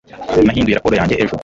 nahinduye raporo yanjye ejo